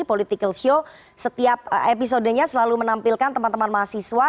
political show setiap episodenya selalu menampilkan teman teman mahasiswa